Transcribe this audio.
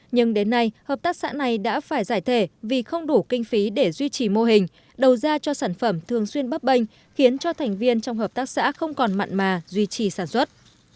nhưng đến nay hợp tác xã này đã phải giải thể vì không đủ kinh phí để duy trì mô hình đầu ra cho sản phẩm thường xuyên bắp bênh khiến cho thành viên trong hợp tác xã không còn mặn mà duy trì sản xuất